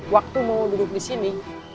waktu mau duduk disini